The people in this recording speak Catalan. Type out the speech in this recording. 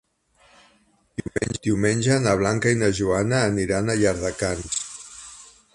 Diumenge na Blanca i na Joana aniran a Llardecans.